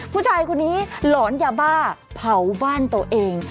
ผู้ชายคนนี้หลอนยาบ้าเผาบ้านตัวเอง